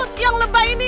cukup yang lebay ini